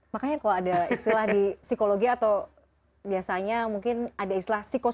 makanya kalau ada istilah di psikologi atau biasanya mungkin ada istilah psikologi